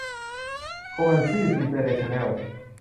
โคแมนชี่ อินเตอร์เนชั่นแนล